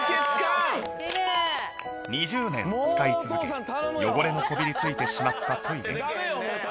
２０年使い続け汚れのこびり付いてしまったトイレが。